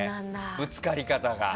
ぶつかり方が。